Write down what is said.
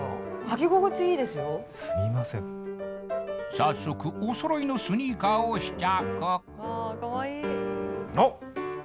早速お揃いのスニーカーを試着あっ！